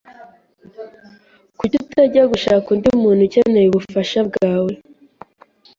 Kuki utajya gushaka undi muntu ukeneye ubufasha bwawe?